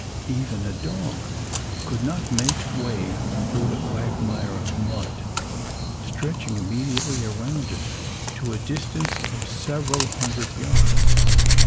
Even a dog could not make way through the quagmire of mud, stretching immediately around it to a distance of several hundred yards.